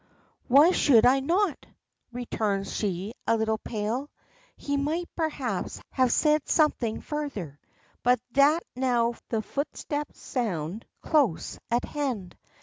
"Why should I not?" returns she, a little pale. He might, perhaps, have said something further, but that now the footsteps sound close at hand.